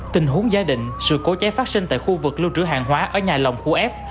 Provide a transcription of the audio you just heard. tình huống giá định sự cố cháy phát sinh tại khu vực lưu trữ hàng hóa ở nhà lòng khu f